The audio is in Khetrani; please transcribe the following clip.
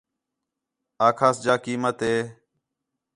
آکھاس جا قیمت ہِے